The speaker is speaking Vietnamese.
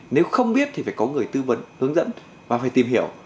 nếu không biết thì phải có người tư vấn hướng dẫn và phải tìm hiểu